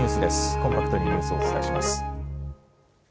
コンパクトにニュースをお伝えします。